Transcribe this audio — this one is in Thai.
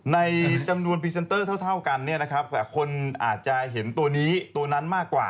ในจำนวนพรีเซนเตอร์เท่ากันเนี่ยนะครับแต่คนอาจจะเห็นตัวนี้ตัวนั้นมากกว่า